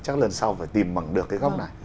chắc lần sau phải tìm bằng được cái góc này